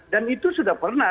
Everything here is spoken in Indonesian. dan itu sudah pernah